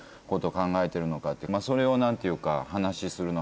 それを何ていうか。